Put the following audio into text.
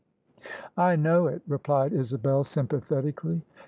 " I know it," replied Isabel sjrmpathetically.